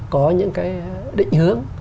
có những cái định hướng